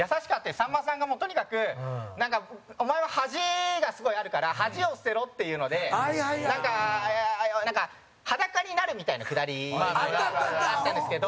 さんまさんが、もう、とにかくお前は、恥がすごいあるから恥を捨てろっていうので裸になるみたいなくだりがあったんですけど